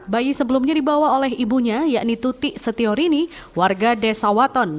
bayi sebelumnya dibawa oleh ibunya yakni tuti setiorini warga desa waton